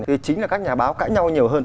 thì chính là các nhà báo cãi nhau nhiều hơn